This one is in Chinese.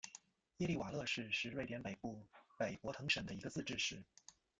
耶利瓦勒市是瑞典北部北博滕省的一个自治市。